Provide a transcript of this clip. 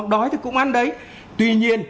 đói thì cũng ăn đấy tuy nhiên